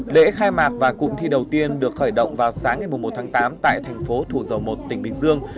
lễ khai mạc và cụm thi đầu tiên được khởi động vào sáng ngày một tháng tám tại thành phố thủ dầu một tỉnh bình dương